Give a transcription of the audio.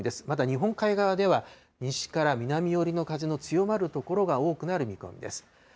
また日本海側では、西から南寄りの風が強まる所が多くなる見込みです。